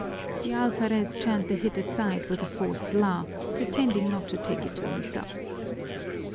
The alferez turned the hit aside with a forced laugh, pretending not to take it to himself.